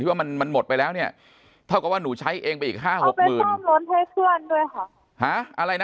ที่ว่ามันหมดไปแล้วเนี่ยเท่ากับว่าหนูใช้เองไปอีก๕๖หมื่นเอาไปซ่อมล้นให้ช่วนด้วยค่ะอะไรนะ